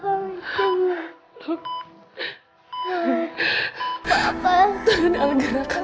assalamu'alaikum warahmatullahi wabarakatuh